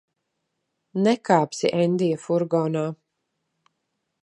Nekāpsi Endija furgonā.